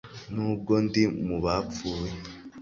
nubwo ndi mu bapfuye